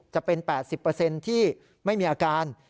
จะเป็น๘๐ที่ไม่มีอาการ